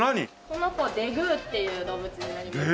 この子デグーっていう動物になりまして。